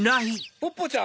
ポッポちゃん‼